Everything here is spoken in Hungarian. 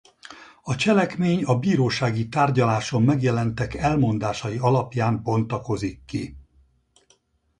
A cselekmény a bírósági tárgyaláson megjelentek elmondásai alapján bontakozik ki.